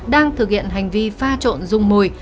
đang thực hiện hành vi pha trộn rung mồi